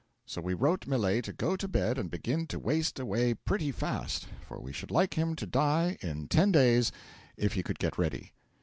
So we wrote Millet to go to bed and begin to waste away pretty fast, for we should like him to die in ten days if he could get ready.